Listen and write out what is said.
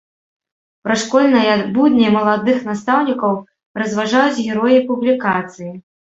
Пра школьныя будні маладых настаўнікаў разважаюць героі публікацыі.